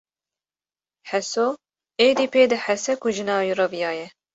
Heso êdî pê dihese ku jina wî reviyaye